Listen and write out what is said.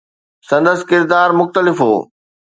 سندس ڪردار مختلف هو.